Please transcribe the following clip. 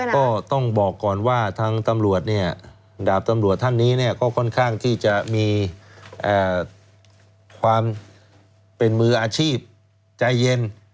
ก็ต้องบอกก่อนว่าทางตำรวจเนี่ยดาบตำรวจท่านนี้เนี่ยก็ค่อนข้างที่จะมีความเป็นมืออาชีพใจเย็น